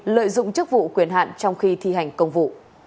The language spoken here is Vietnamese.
lợi dụng chức vụ quyền hạn trong khi thi hành công vụ